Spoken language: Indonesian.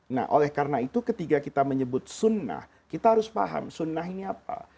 nah oleh karena itu ketika kita menyebut sunnah kita harus paham sunnah ini apa